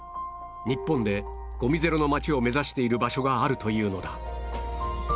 日本でごみゼロの町を目指している場所があるというのだ